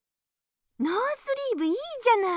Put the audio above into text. ノースリーブいいじゃない！